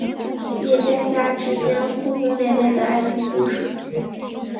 叶家家之间轰轰烈烈的爱情故事。